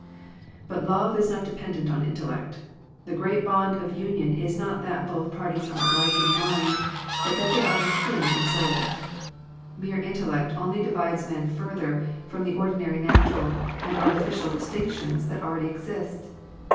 But love is not dependent on intellect The great bond of union is not that both parties are alike in mind, but that they are akin in souL Mere intellect only di vides men further than the ordinary nat ural and artificial distinctions that already exist.